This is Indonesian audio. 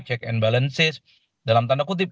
check and balances dalam tanda kutip